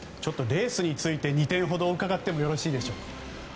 レースについて２点ほど伺ってもよろしいでしょうか。